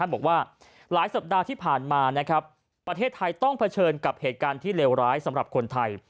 บอกว่าหลายสัปดาห์ที่ผ่านมาประเทศไทยต้องเผชิญกับเหตุการณ์ที่เลวร้ายสำหรับคนไทย